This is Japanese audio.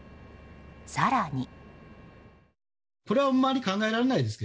更に。